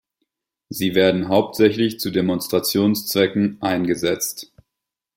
Sie werden hauptsächlich zu Demonstrationszwecken eingesetzt.